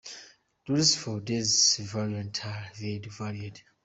Rules for these variants are widely varied.